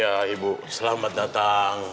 ya ibu selamat datang